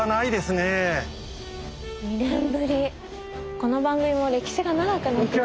この番組も歴史が長くなってきましたね。